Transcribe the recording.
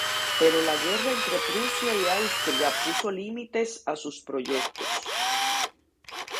Pero la guerra entre Prusia y Austria puso límites a sus proyectos.